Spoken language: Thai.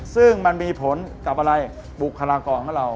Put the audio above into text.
ซึ่งมันมีผลกับอะไรบุคลากรของเรา